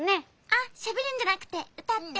あっしゃべるんじゃなくてうたって。